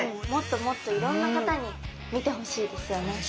もっともっといろんな方に見てほしいですよね。